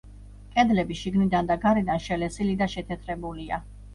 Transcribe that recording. კედლები შიგნიდან და გარედან შელესილი და შეთეთრებულია.